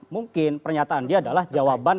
mungkin pernyataan dia adalah jawaban